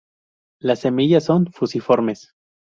Las semillas son fusiformes.